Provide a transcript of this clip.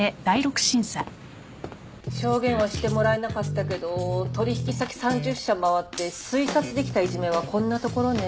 証言はしてもらえなかったけど取引先３０社回って推察できたいじめはこんなところね。